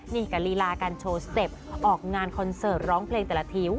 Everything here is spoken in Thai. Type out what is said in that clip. นี่กับลีลาการโชว์สเต็ปออกงานคอนเสิร์ตร้องเพลงแต่ละผิว